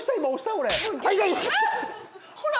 ほら。